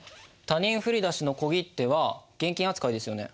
他人振り出しの小切手は現金扱いですよね？